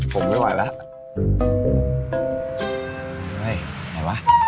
ค่ะ